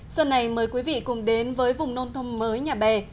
xuân này mời quý vị cùng đến với vùng nông thôn mới nhà bè